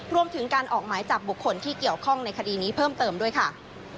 รวมถึงการออกหมายจับบุคคลที่เกี่ยวข้องในคดีนี้เพิ่มเติมด้วยค่ะ